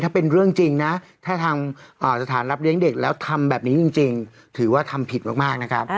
ถ้าเป็นเรื่องจริงนะถ้าทางสถานรับเลี้ยงเด็กแล้วทำแบบนี้จริงถือว่าทำผิดมากนะครับ